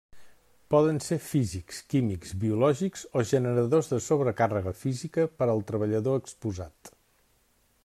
Poden ser físics, químics, biològics o generadors de sobrecàrrega física per al treballador exposat.